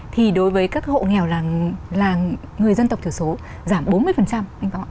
thì đối với các hộ nghèo là người dân tộc thiểu số giảm bốn mươi